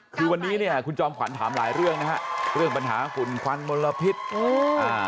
คือวันนี้เนี่ยคุณจอมขวัญถามหลายเรื่องนะฮะเรื่องปัญหาฝุ่นควันมลพิษอืมอ่า